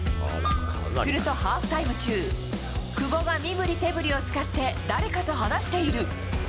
するとハーフタイム中、久保が身振り手振りを使って誰かと話している。